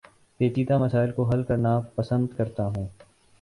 پیچیدہ مسائل کو حل کرنا پسند کرتا ہوں